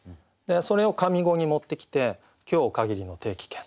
それを上五に持ってきて「今日を限りの定期券」。